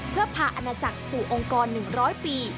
เพื่อพาอาณาจักรสู่องค์กร๑๐๐ปี